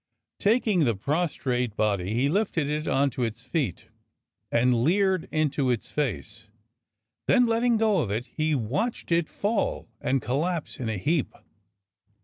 Taking the prostrate body, he lifted it on to its feet and leered into its face; then letting go of it, he watched it fall and collapse in a heap.